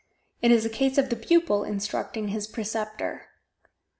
It is a case of the pupil instructing his preceptor.